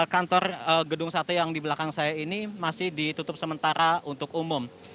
kantor gedung sate yang di belakang saya ini masih ditutup sementara untuk umum